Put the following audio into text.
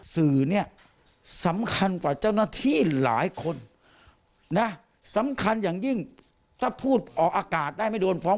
สื่อเนี่ยสำคัญกว่าเจ้าหน้าที่หลายคนนะสำคัญอย่างยิ่งถ้าพูดออกอากาศได้ไม่โดนฟ้อง